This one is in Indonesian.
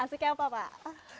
asiknya apa pak